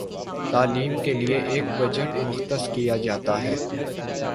تعلیم کے لیے ایک بجٹ مختص کیا جاتا ہے